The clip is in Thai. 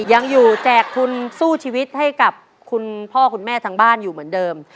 ยังอยู่แจกทุนสู้ชีวิตให้กับคุณพ่อคุณแม่ทางบ้านอยู่เหมือนเดิม